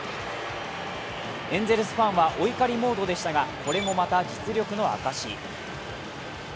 エンゼルスファンはお怒りモードでしたがこれもまた実力の証し。